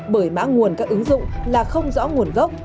bởi mã nguồn các ứng dụng là không rõ nguồn gốc